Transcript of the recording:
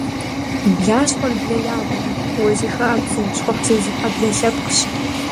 Блащхъуэр блэ ябгэ, уэ зи хабзэ, щхъухь зезыхьэ блэ лъэпкъщ.